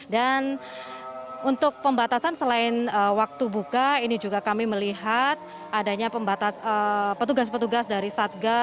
dan untuk pembatasan selain waktu buka ini juga kami melihat adanya petugas petugas dari satga